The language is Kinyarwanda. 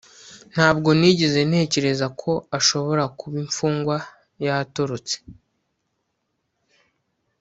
ntabwo nigeze ntekereza ko ashobora kuba imfungwa yatorotse